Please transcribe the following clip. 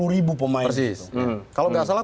dua puluh ribu pemain persis kalau gak salah